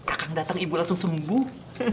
akang dateng ibu langsung sembuh